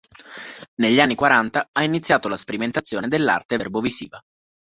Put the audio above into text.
Negli anni Quaranta ha iniziato la sperimentazione dell'arte verbo-visiva.